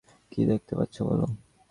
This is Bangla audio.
কী দেখতে পাচ্ছ বলো।